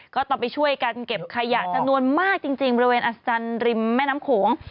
ก็ต้องไปช่วยกันเก็บขยะจำนวนมากจริงบริเวณอัศจรรย์ริมแม่น้ำโขง